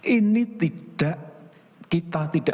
ini tidak kita tidak